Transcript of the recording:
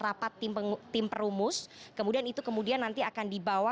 rapat tim perumus kemudian itu kemudian nanti akan dibawa